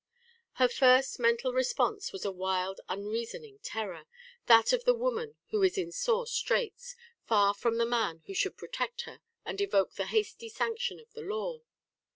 Her first mental response was a wild unreasoning terror, that of the woman who is in sore straits, far from the man who should protect her and evoke the hasty sanction of the law.